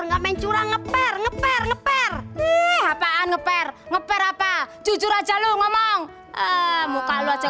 nggak main curang ngeper ngeper ngeper apaan ngeper ngeper apa jujur aja lu ngomong eh muka lu aja